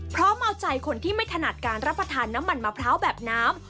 พร้อมเอาใจคนที่ไม่ถนัดการรับประทานน้ำมันมะพร้าวแบบน้ำ